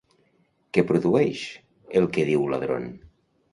Què produeix el que diu Iadron?